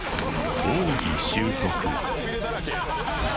奥義習得